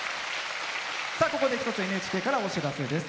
ここで一つＮＨＫからお知らせです。